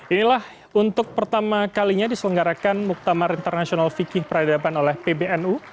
inilah untuk pertama kalinya diselenggarakan muktamar internasional fikih peradaban oleh pbnu